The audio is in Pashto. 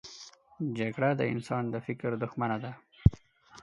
جګړه د انسان د فکر دښمنه ده